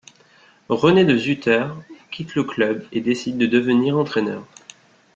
René De Zutter quitte le club et décide de devenir entraîneur.